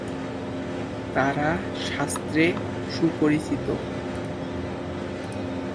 তারা শাস্ত্রে সুপরিচিত।